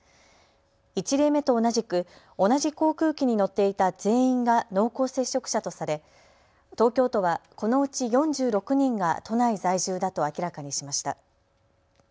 １例目と同じく同じ航空機に乗っていた全員が濃厚接触者とされ東京都は、このうち４６人が都内在住だと明らかにしました。